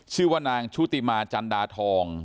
ชื่อว่านางชุติมาจันดาทอง